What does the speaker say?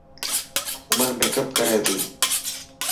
سمن ميڪپ ڪري تي.